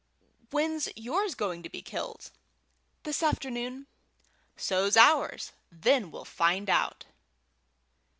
"When's yours going to be killed?" "This afternoon." "So's ours. Then we'll find out."